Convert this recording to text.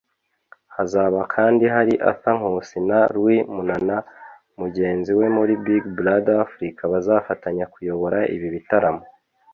Hazaba kandi hari Arthur Nkusi na Luis Munana mugenzi we muri Big Brother Africa bazafatanya kuyobora ibi bitaramo